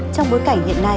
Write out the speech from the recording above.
trong bối cảnh hiện nay